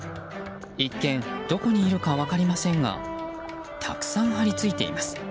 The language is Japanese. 一見、どこにいるか分かりませんがたくさん張り付いています。